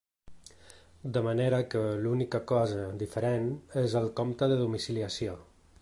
De manera que l’única cosa diferent és el compte de domiciliació.